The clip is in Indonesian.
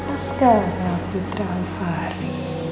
asgara putra alvari